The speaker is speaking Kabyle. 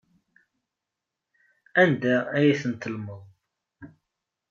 Anda ay ten-tellmeḍ?